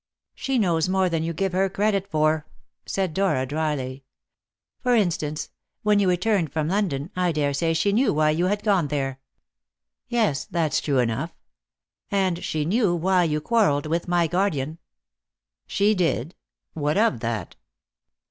"She knows more than you give her credit for," said Dora dryly. "For instance; when you returned from London, I dare say she knew why you had gone there." "Yes; that's true enough." "And she knew why you quarrelled with my guardian." "She did. What of that?"